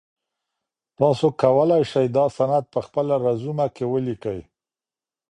تاسو کولای سئ دا سند په خپله رزومه کي ولیکئ.